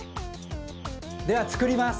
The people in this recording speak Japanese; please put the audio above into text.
ではつくります。